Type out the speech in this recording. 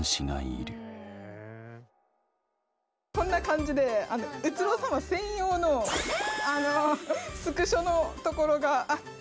こんな感じで宇津呂さま専用のスクショのところがあって。